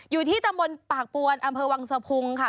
อยู่ที่ตำบลปากปวนอำเภอวังสะพุงค่ะ